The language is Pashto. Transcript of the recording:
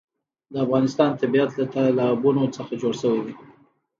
د افغانستان طبیعت له تالابونه څخه جوړ شوی دی.